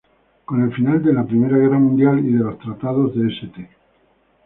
Con el final de la primera guerra mundial y de los tratados de St.